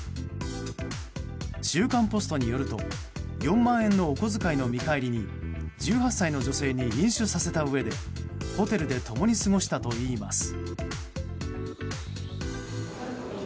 「週刊ポスト」によると４万円のお小遣いの見返りに１８歳の女性に飲酒させたうえでホテルで共に過ごしたといいます。